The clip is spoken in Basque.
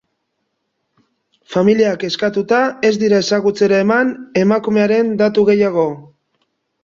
Familiak eskatuta, ez dira ezagutzera eman emakumearen datu gehiago.